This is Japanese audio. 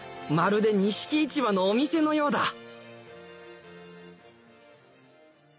まるで錦市場のお店のようだ